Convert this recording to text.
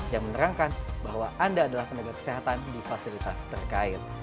yang menerangkan bahwa anda adalah tenaga kesehatan